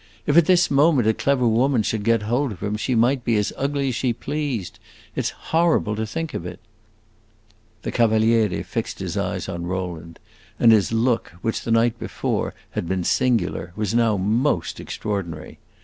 If at this moment a clever woman should get hold of him she might be as ugly as she pleased! It 's horrible to think of it." The Cavaliere fixed his eyes on Rowland, and his look, which the night before had been singular, was now most extraordinary.